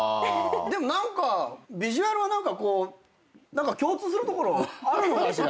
でもビジュアルは何か共通するところあるのかしら。